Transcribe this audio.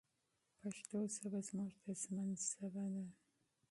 پښتو ژبه زموږ د ژوند ژبه ده.